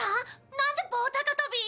なんで棒高跳び？